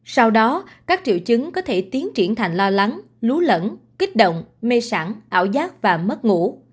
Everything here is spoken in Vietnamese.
sau đó các triệu chứng có thể tiến triển thành lo lắng lún lẫn kích động mê sản ảo giác và mất ngủ